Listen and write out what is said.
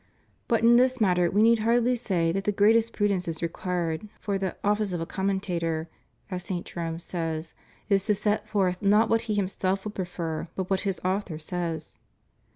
But in this matter we need hardly say that the greatest pru dence is required, for the "office of a commentator," as St. Jerome says, "is to set forth not what he himself would prefer but what his author says."